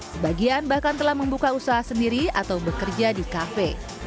sebagian bahkan telah membuka usaha sendiri atau bekerja di kafe